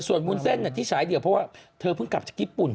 ส่วนวุ้นเส้นที่ฉายเดี่ยวเพราะว่าเธอเพิ่งกลับจากญี่ปุ่น